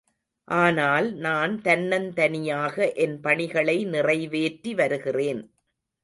ஆனால், நான் தன்னந்தனியாக என் பணிகளை நிறைவேற்றி வருகிறேன்.